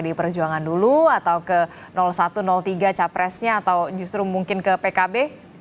di perjuangan dulu atau ke satu tiga capresnya atau justru mungkin ke pkb